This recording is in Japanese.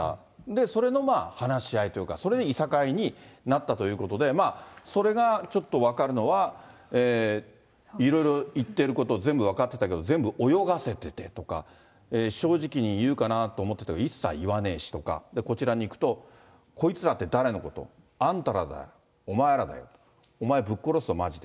それの話し合いというか、それでいさかいになったということで、それがちょっと分かるのは、いろいろ言ってること全部分かってたけど、全部泳がせててとか、正直に言うかなと思ってたけど、一斉いわねぇしとか、こちらにいくと、こいつらって誰のこと？あんたらだ、お前らだよ、お前、ぶっ殺すぞ、まじで。